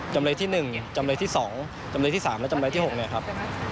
จำเลยที่๑จำเลยที่๒จำเลยที่๓และจำเลยที่๖เลยครับ